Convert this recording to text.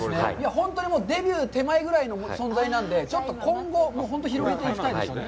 本当にデビュー手前ぐらいの存在なんで、ちょっと今後、本当に広げていきたいですね。